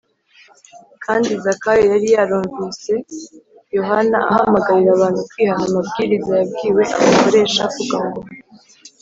kandi zakayo yari yarumvise yohana ahamagarira abantu kwihana amabwiriza yabwiwe abasoresha avuga ngo